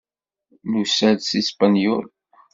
Nusa-d seg Spenyul.